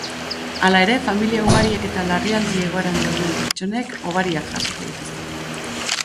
Hala ere, familia ugariek eta larrialdi egoeran dauden pertsonek hobariak jasoko dituzte.